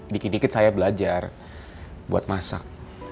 dikit dikit saya belajar buat masak